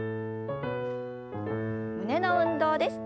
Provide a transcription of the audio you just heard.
胸の運動です。